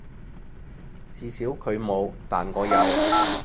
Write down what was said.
至少佢冇，但我有